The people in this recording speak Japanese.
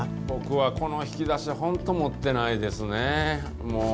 僕はこの引き出し、本当、持ってないですね。